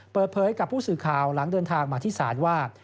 เปิดเผยกับผู้สื่อข่าวหลังเดินทางมาที่ศาลว่า